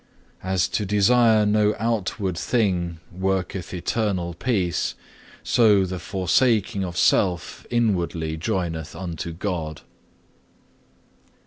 As to desire no outward thing worketh internal peace, so the forsaking of self inwardly joineth unto God.